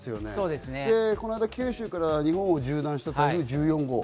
で、この間、九州から日本を縦断した台風１４号。